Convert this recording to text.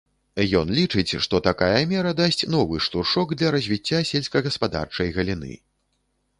Ён лічыць, што такая мера дасць новы штуршок для развіцця сельскагаспадарчай галіны.